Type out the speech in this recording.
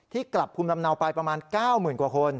ที่กลับภูมิลำเนาไปประมาณ๙หมื่นกว่าคน